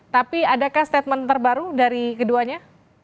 tapi adakah statement terbaru dari keduanya